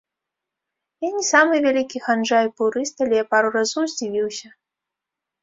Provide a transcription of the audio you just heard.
Я не самы вялікі ханжа і пурыст, але пару разоў здзівіўся.